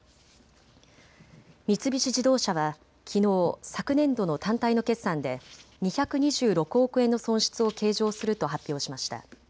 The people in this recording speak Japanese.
三菱自動車はきのう、昨年度の単体の決算で２２６億円の損失を計上すると発表しました。